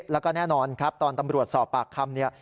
และก็แน่นอนตอนตำรวจสอบปากคำ